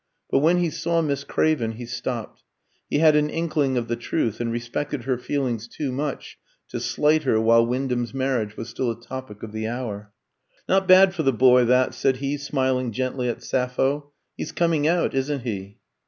But when he saw Miss Craven he stopped. He had an inkling of the truth, and respected her feelings too much to slight her while Wyndham's marriage was still a topic of the hour. "Not bad for the boy, that!" said he, smiling gently at Sappho. "He's coming out, isn't he?"